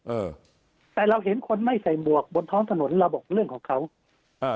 เออแต่เราเห็นคนไม่ใส่หมวกบนท้องถนนเราบอกเรื่องของเขาอ่า